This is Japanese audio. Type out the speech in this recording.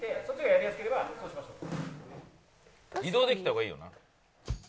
移動できた方がいいよな。